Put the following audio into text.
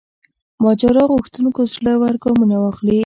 ماجرا غوښتونکو زړه ور ګامونه واخلي.